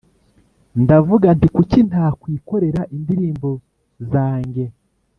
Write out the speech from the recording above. ndavuga nti ‘kuki ntakwikorera indirimbo zange!’